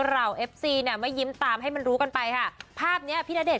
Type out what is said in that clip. เราเอฟซีเนี่ยไม่ยิ้มตามให้มันรู้กันไปฮะภาพนี้พี่นเตฏ